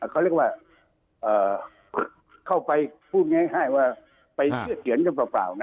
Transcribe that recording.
เขาเรียกว่าเอ่อเข้าไปพูดง่ายง่ายว่าไปเชื่อเถียนกันเปล่าเปล่านะ